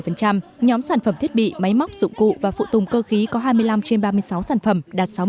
nhóm sản phẩm thiết bị máy móc dụng cụ và phụ tùng cơ khí có hai mươi năm trên ba mươi sáu sản phẩm đạt sáu mươi